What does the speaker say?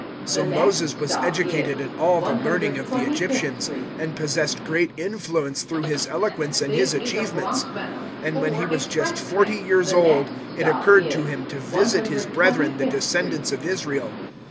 007:022 So Moses was educated in all the learning of the Egyptians, and possessed great influence through his eloquence and his achievements. 007:023 "And when he was just forty years old, it occurred to him to visit his brethren the descendants of Israel.